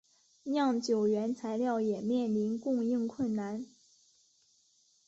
酿酒原材料也面临供应困难。